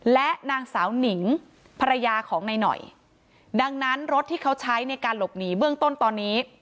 และนางสาวหนิงภรรยาของนายหน่อยดังนั้นรถที่เขาใช้ในการหลบหนีเบื้องต้นตอนนี้